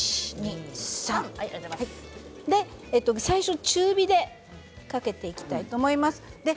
最初、中火でかけていきたいと思います。